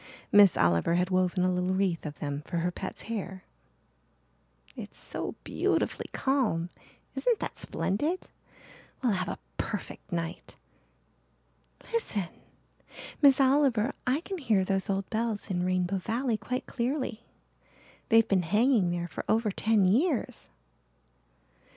Miss Oliver had woven a little wreath of them for her pet's hair. "It's so beautifully calm isn't that splendid? We'll have a perfect night. Listen, Miss Oliver I can hear those old bells in Rainbow Valley quite clearly. They've been hanging there for over ten years."